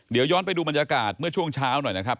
เดี๋ยวย้อนไปดูบรรยากาศเมื่อช่วงเช้าหน่อยนะครับ